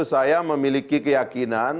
saya memiliki keyakinan